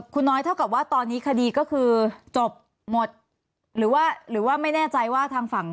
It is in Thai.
คุณน้อยเท่ากับว่าตอนนี้คดีก็คือจบหมดหรือว่าหรือว่าไม่แน่ใจว่าทางฝั่ง